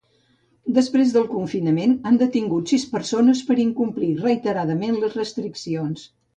Després del confinament, han detingut sis persones per incomplir reiteradament les restriccions.